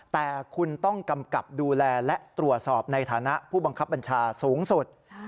แต่คุณต้องกำกับดูแลและตรวจสอบในฐานะผู้บังคับบัญชาสูงสุด